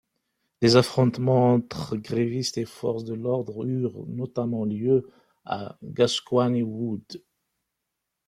Des affrontement entre grévistes et forces de l'ordre eurent notamment lieu à Gascoigne Wood.